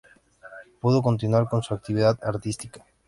Pudo continuar con su actividad artística.